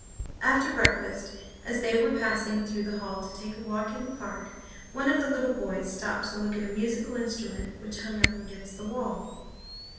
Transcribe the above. After breakfast, as they were passing through the hall to take a walk in the park, one of the little boys stopped to look at a musical instrument which hung up against the wall.